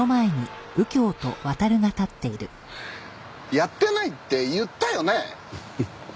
やってないって言ったよね？